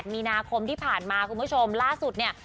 มีนาคมที่ผ่านมาคุณผู้ชมล่าสุดเนี่ย